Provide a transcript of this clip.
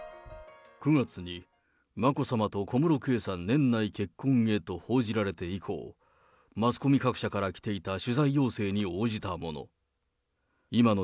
９月に眞子さまと小室圭さん、年内結婚へと報じられて以降、マスコミ各社から来ていた取材要請に応じたもの。